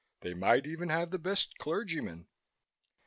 They might even have the best clergymen."